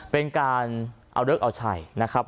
เป็นการเอาเลิกเอาชัยนะครับ